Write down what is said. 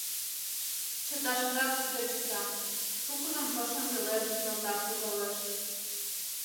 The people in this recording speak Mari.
Чыташыжат кузе чыта: шукыжым шошым велеш нӧлташ логалеш...